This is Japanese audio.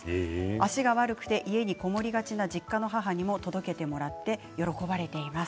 足が悪くて家に籠もりがちな実家の母にも届けてもらって喜ばれています。